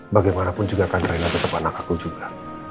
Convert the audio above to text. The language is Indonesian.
bagaimanapun juga kan rena tetap anak aku juga